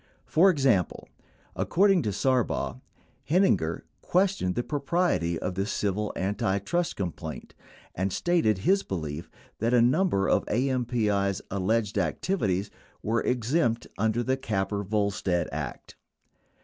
For example, according to Sarbaugh, Heininger questioned the propriety of the civil antitrust complaint, and stated his belief that a number of AMPI's alleged activities were exempt under the Capper Volstead Act.